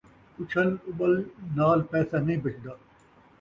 اچھل اٻل نال پیسہ نئیں بچدا